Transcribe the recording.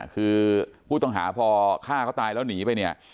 คือผู้ต้องหาพอฆ่าเขาตายแล้วหนีไปเนี่ย